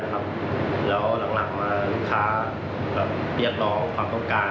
แล้วหลักมาลูกค้าเรียกร้องความต้องการ